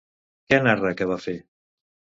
Què narra que va fer?